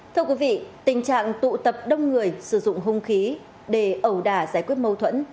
thưa quý vị tình trạng tụ tập đông người sử dụng hung khí để ẩu đả giải quyết mâu thuẫn